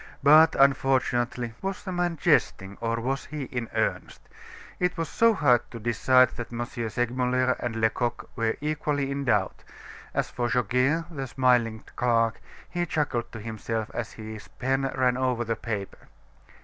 But unfortunately " Was the man jesting, or was he in earnest? It was so hard to decide, that M. Segmuller and Lecoq were equally in doubt. As for Goguet, the smiling clerk, he chuckled to himself as his pen ran over the paper.